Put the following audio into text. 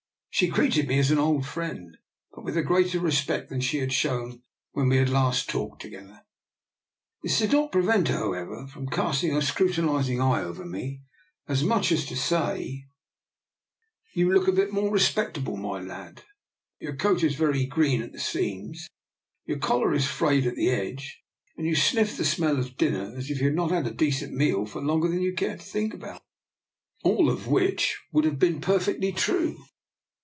She greeted me as an old friend, but with a greater respect than she had shown when we had last talked together. This did not prevent her, however, from casting a scrutinising eye over me, as much as to say, 37 38 DR. NIKOLA'S EXPERIMENT. " You look a bit more respectable, my lad, but your coat is very green at the seams, your collar is frayed at the edge, and you sniff the smell of dinner as if you have not had a de cent meal for longer than you care to think about;" all of which would have been per fectly true.